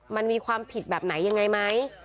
มันมีความผิดแบบไหนยังไงไหม